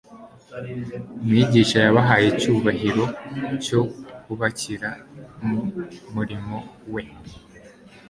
Umwigisha yabahaye icyubahiro cyo kubakira mu murimo we,